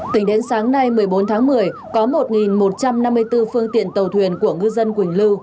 tính đến sáng nay một mươi bốn tháng một mươi có một một trăm năm mươi bốn phương tiện tàu thuyền của ngư dân quỳnh lưu